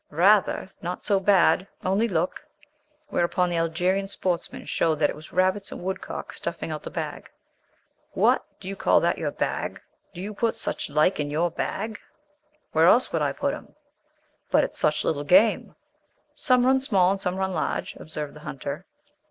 "Rather! Not so bad only look." Whereupon the Algerian sportsman showed that it was rabbits and woodcock stuffing out the bag. "What! do you call that your bag? Do you put such like in your bag?" "Where else should I put 'em?" "But it's such little game." "Some run small and some run large," observed the hunter.